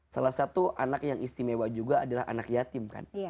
salah satu anak yang istimewa juga adalah anak yatim kan